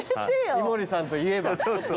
井森さんといえば。